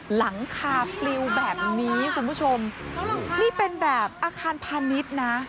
หลังคาปลิวแบบนี้คุณผู้ชมนี่เป็นแบบอาคารพาณิชย์นะ